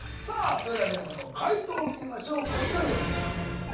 それでは皆さんの解答を見てみましょうこちらです